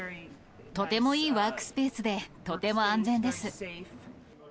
とてもいいワークスペースで、とても安全です。